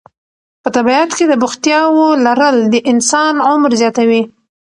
په طبیعت کې د بوختیاوو لرل د انسان عمر زیاتوي.